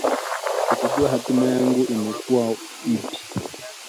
Sikujua hatima yangu ingekuwa ipi